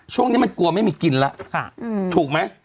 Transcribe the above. ช่วงนี้มันกลัวไม่มีกินแล้วถูกไหม